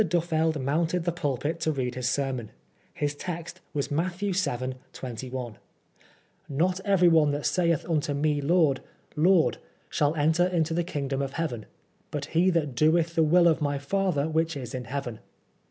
Duffeld mounted the pulpit to read his sermon. His text was Matthew vii., 21 :" Not everyone that saith unto me Lord, Lord, shall enter into the kingdom of heaven ; but he that doeth the will of my father which is in heaven."